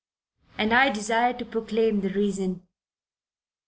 And I desire to proclaim the reason.